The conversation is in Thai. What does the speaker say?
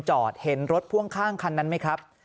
จอดเห็นรถพ่วงข้างคันนั้นไหมครับ